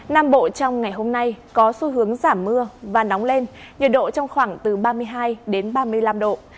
nam bộ trong ngày hôm nay có xu hướng giảm mưa và nóng lên nhiệt độ trong khoảng từ ba mươi hai ba mươi năm độ